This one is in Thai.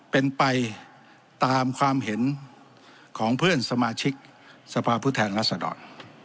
เป็นไปตามความเห็นของเพื่อนสมาชิกสภาพผู้แทนรัศดร